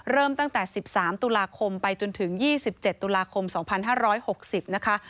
เริ่มตั้งแต่๑๓ตุลาคมไปจนถึง๒๗ตุลาคม๒๕๖๐นะคะ